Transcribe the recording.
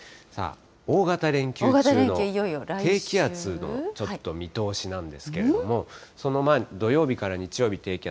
大型連休中の低気圧のちょっと見通しなんですけれども、その前に土曜日から日曜日、低気圧。